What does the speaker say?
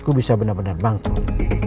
aku bisa benar benar bangkit